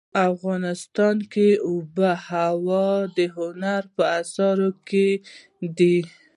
افغانستان کې آب وهوا د هنر په اثار کې دي.